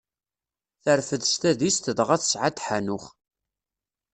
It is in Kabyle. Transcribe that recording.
Terfed s tadist dɣa tesɛa-d Ḥanux.